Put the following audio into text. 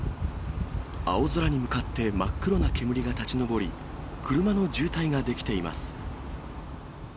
青空に向かって真っ黒な煙が立ち上り、車の渋滞が出来ています。